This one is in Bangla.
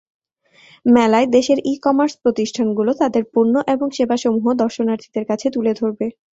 মেলায় দেশের ই-কমার্স প্রতিষ্ঠানগুলো তাদের পণ্য এবং সেবাসমূহ দর্শনার্থীদের কাছে তুলে ধরবে।